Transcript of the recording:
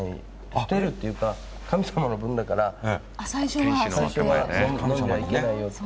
捨てるっていうか神様の分だから最初は飲んじゃいけないよって。